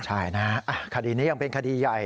ใช่นะคดีนี้ยังเป็นคดีใหญ่